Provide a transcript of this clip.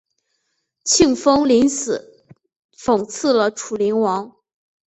庆封临死讽刺了楚灵王。